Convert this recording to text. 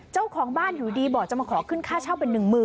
เจ้าของบ้านอยู่ดีบอกจะมาขอขึ้นค่าเช่าเป็น๑๐๐๐